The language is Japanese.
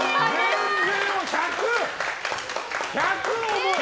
全然、１００重い。